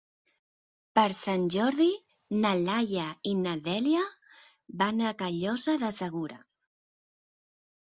Per Sant Jordi na Laia i na Dèlia van a Callosa de Segura.